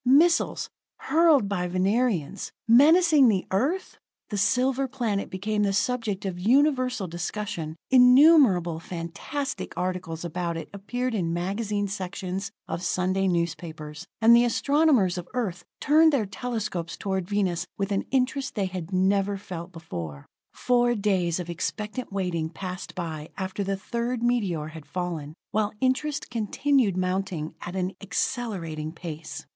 Missiles, hurled by Venerians, menacing the Earth! The silver planet became the subject of universal discussion; innumerable fantastic articles about it appeared in magazine sections of Sunday newspapers. And the astronomers of Earth turned their telescopes toward Venus with an interest they had never felt before. Four days of expectant waiting passed by after the third meteor had fallen, while interest continued mounting at an accelerating pace.